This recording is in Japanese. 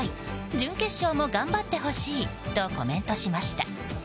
準決勝も頑張ってほしい！とコメントしました。